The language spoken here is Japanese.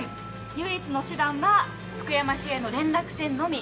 唯一の手段は福山市営の連絡船のみ。